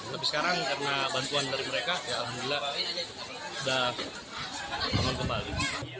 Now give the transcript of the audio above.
tapi sekarang karena bantuan dari mereka ya alhamdulillah sudah aman kembali